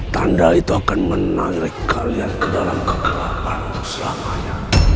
tanda itu akan menarik kalian ke dalam kegelapan selamanya